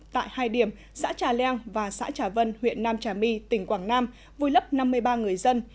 tại hai điểm xã trà leng và xã trà vân huyện nam trà my tỉnh quảng nam vùi lấp năm mươi ba người dân